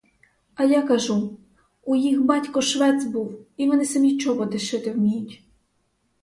А я кажу: у їх батько швець був і вони самі чоботи шити вміють.